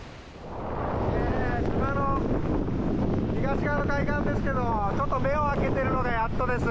島の東側の海岸ですけどちょっと目を開けているのがやっとです。